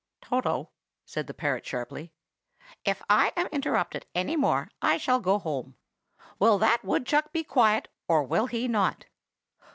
"Toto," said the parrot sharply, "if I am interrupted any more, I shall go home. Will that woodchuck be quiet, or will he not?"